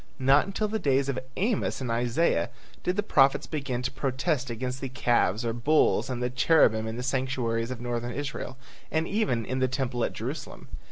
Not until the days of Amos and Isaiah did the prophets begin to protest against the calves or bulls and the cherubim in the sanctuaries of Northern Israel, and even in the temple at Jerusalem.